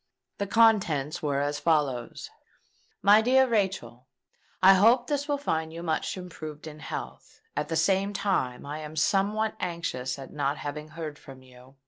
Its contents were as follow:— "MY DEAR RACHEL, "I hope this will find you much improved in health: at the same time I am somewhat anxious at not having heard from you.